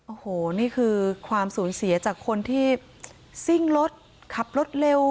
โอ้โหนี่คือความสูญเสียจากคนที่ซิ่งรถขับรถเร็ว